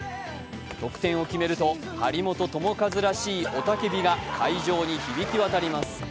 得点を決めると張本智和らしい雄たけびが会場に響き渡ります。